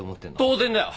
当然だよ！